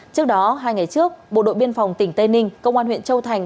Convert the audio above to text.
trước đó hai ngày trước bộ đội biên phòng tỉnh tây ninh công an huyện châu thành